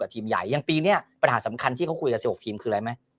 ทีมใหญ่อย่างปีนี้ปัญหาสำคัญที่เขาคุยกัน๑๖ทีมคืออะไรไหม